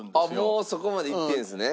もうそこまでいってるんですね。